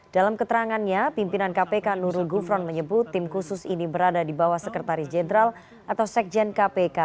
dalam keterangannya pimpinan kpk nurul gufron menyebut tim khusus ini berada di bawah sekretaris jenderal atau sekjen kpk